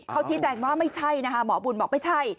เขาชี้แจงว่าไม่ใช่นะคะหมอบุญบอกไม่ใช่